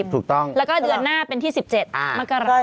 ถูกต้องแล้วก็เดือนหน้าเป็นที่๑๗มกราคม